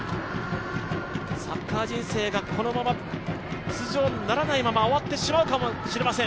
サッカー人生がこのまま出場ならないまま終わってしまうかもしれません。